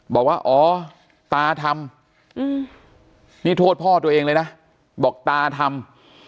บอกว่าอ๋อตาทำนี่โทษพ่อตัวเองเลยนะบอกตาทำ